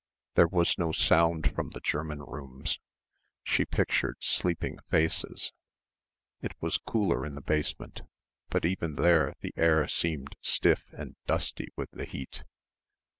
There was no sound from the German rooms. She pictured sleeping faces. It was cooler in the basement but even there the air seemed stiff and dusty with the heat.